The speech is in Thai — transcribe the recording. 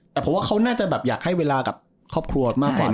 แต่ผมว่าเขาน่าจะแบบอยากให้เวลากับครอบครัวมากกว่าด้วยหรือเปล่า